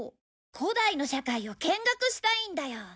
古代の社会を見学したいんだよ。